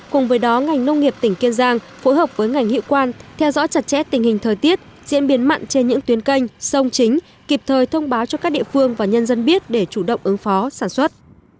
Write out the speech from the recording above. cùng với đó ngành nông nghiệp tỉnh kiên giang phối hợp với ngành hiệu quan theo dõi chặt chẽ tình hình thời tiết diễn biến mặn trên những tuyến canh sông chính kịp thời thông báo cho các địa phương và nhân dân biết để chủ động ứng phó sản xuất